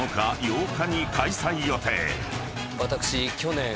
私。